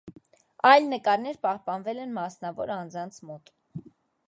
Այլ նկարներ պահպանվել են մասնավոր անձանց մոտ։